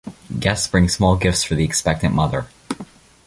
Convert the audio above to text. Guests bring small gifts for the expectant mother.